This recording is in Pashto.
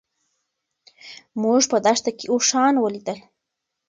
موږ په دښته کې اوښان ولیدل.